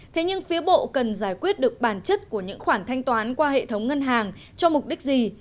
thế nhưng phía bộ cần giải quyết được bản chất của những khoản thanh toán qua hệ thống ngân hàng cho mục đích gì